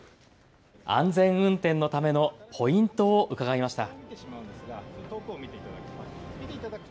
安全運転のためのポイントを伺いました。